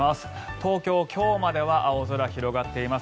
東京、今日までは青空が広がっています。